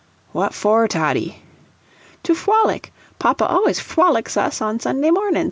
"What for, Toddie?" "To fwolic; papa always fwolics us Sunday mornin's.